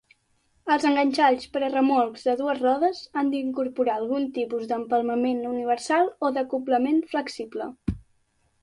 Els enganxalls per a remolcs de dues rodes han d'incorporar algun tipus d'empalmament universal o d'acoblament flexible.